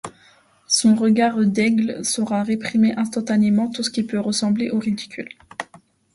Son regard d’aigle saura réprimer instantanément tout ce qui peut ressembler au ridicule.